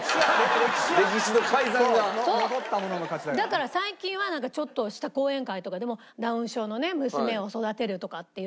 だから最近はちょっとした講演会とかでもダウン症のね娘を育てるとかっていって。